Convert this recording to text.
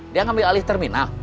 dia ngambil alih terminal